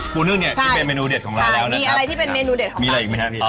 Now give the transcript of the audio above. ปูนึกเนี่ยที่เป็นเมนูเด็ดของเราแล้วนะครับค่ะใช่